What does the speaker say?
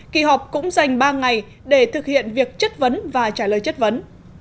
kỳ họp cũng dành ba ngày để thực hiện việc chất vấn và trả lời chất vấn